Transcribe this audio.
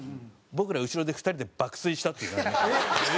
僕ら後ろで２人で爆睡したっていう。